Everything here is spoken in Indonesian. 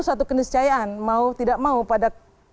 suatu keniscayaan mau tidak mau pada